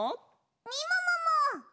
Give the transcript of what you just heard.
みももも。